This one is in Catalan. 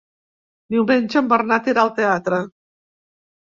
Diumenge en Bernat irà al teatre.